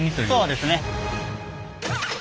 そうですね。